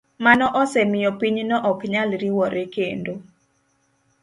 Mano osemiyo pinyno ok nyal riwore kendo.